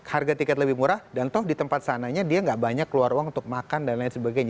harga tiket lebih murah dan toh di tempat sananya dia nggak banyak keluar uang untuk makan dan lain sebagainya